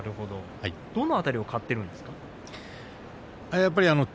どの辺りを買っているんですか。